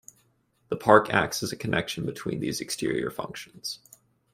The park acts as a connection between these exterior functions.